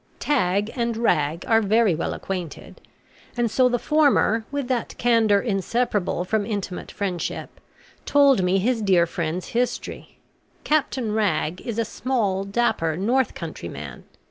Tagg and Rag are very well acquainted, and so the former, with that candour inseparable from intimate friendship, told me his dear friend's history. Captain Rag is a small dapper north country man.